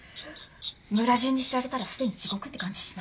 村じゅうに知られたらすでに地獄って感じしない？